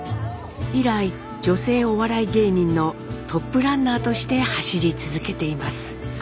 以来女性お笑い芸人のトップランナーとして走り続けています。